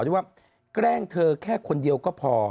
ที่ว่าแกล้งเธอแค่คนเดียวก็พอ